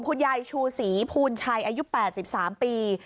คุณยายชูศรีภูลชัยอายุ๘๓ปี